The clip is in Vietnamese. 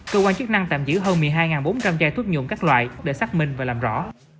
cơ quan chức năng tạm giữ hơn một mươi hai bốn trăm linh chai thuốc nhộn các loại để xác minh và làm rõ